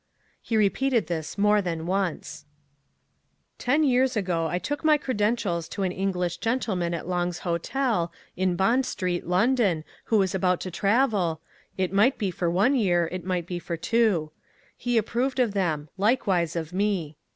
He repeated this more than once. Ten years ago, I took my credentials to an English gentleman at Long's Hotel, in Bond Street, London, who was about to travel—it might be for one year, it might be for two. He approved of them; likewise of me.